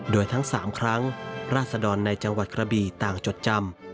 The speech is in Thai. โดยทั้ง๓ครั้งราศดรในจังหวัดกระบีต่างจดจำ